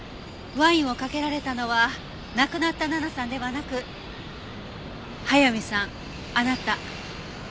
ワインをかけられたのは亡くなった奈々さんではなく速水さんあなた。